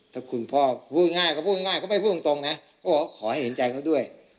ถ้าคุณพ่อพูดง่ายเขาพูดง่ายก็ไม่พูดตรงนะเขาบอกขอให้เห็นใจเขาด้วย